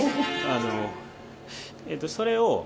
あのそれを。